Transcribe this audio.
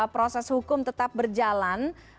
proses hukum tetap berjalan